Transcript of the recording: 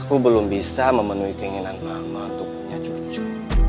aku belum bisa memenuhi keinginan mama untuk punya cucu